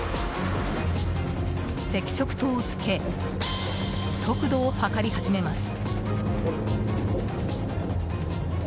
赤色灯をつけ速度を測り始めます。